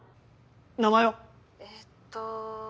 名前は⁉えっと。